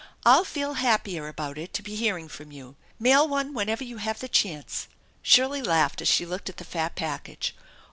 " I'll feel happier about it to be hearing from you. Mail one whenever you have a chance." Shirley laughed as she looked at the fat package.